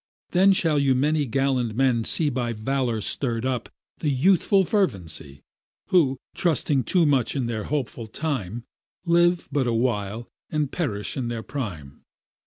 Then shall you many gallant men see by Valour stirr'd up, and youthful fervency, Who, trusting too much in their hopeful time, Live but a while, and perish in their prime.